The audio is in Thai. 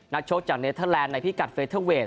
ชกจากเนเทอร์แลนดในพิกัดเฟเทอร์เวท